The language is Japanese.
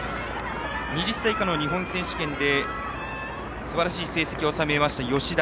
２０歳以下の日本選手権ですばらしい成績だった吉田。